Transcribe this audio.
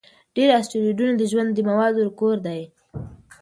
ډېر اسټروېډونه د ژوند د موادو کور دي.